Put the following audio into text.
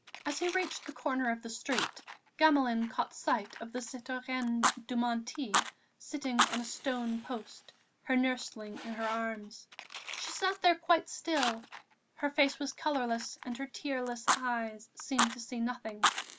As he reached the corner of the street, Gamelin caught sight of the citoyenne Dumonteil, seated on a stone post, her nursling in her arms. She sat there quite still; her face was colourless and her tearless eyes seemed to see nothing.